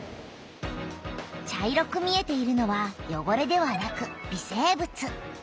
茶色く見えているのはよごれではなく微生物。